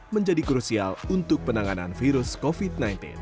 menjadi krusial untuk penanganan virus covid sembilan belas